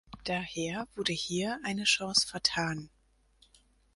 Daher wurde hier eine Chance vertan.